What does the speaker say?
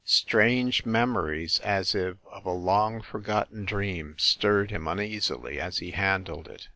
Strange memories, as if of a long for gotten dream, stirred him uneasily as he handled it.